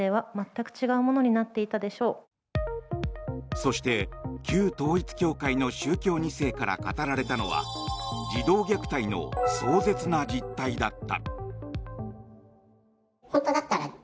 そして、旧統一教会の宗教２世から語られたのは児童虐待の壮絶な実態だった。